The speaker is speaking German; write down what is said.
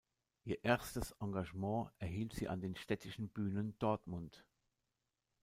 Ihr erstes Engagement erhielt sie an den Städtischen Bühnen Dortmund.